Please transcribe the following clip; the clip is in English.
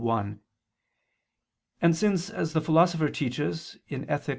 1) and since as the Philosopher teaches (Ethic.